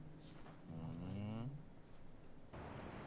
ふん。